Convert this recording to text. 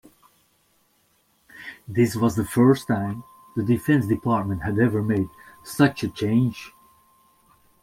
This was the first time the Defense Department had ever made such a change.